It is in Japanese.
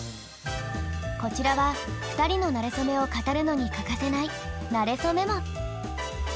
こちらは２人のなれそめを語るのに欠かせない「なれそメモ」！